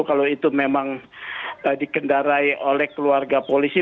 kalau itu memang dikendarai oleh keluarga polisi